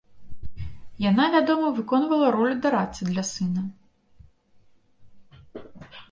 Яна, вядома, выконвала ролю дарадцы для сына.